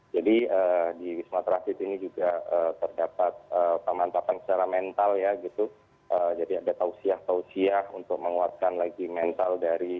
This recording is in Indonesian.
jadi di wisma transit ini juga terdapat pemantapan secara mental jadi ada tausiah tausiah untuk menguatkan lagi mental